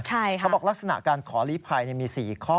เขาบอกลักษณะการขอลีภัยมี๔ข้อ